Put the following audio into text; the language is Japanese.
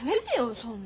そんな。